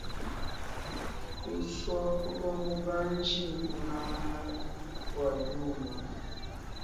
Kusua kulua mubanji, kunanga kua biuma.